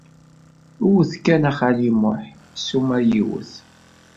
Wwet kan, a xali Muḥ, ssuma yiwet.